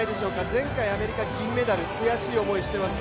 前回、アメリカ銀メダル、悔しい思いをしています。